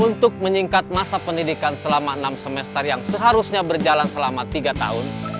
untuk menyingkat masa pendidikan selama enam semester yang seharusnya berjalan selama tiga tahun